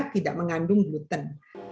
dia tidak mengandung gluten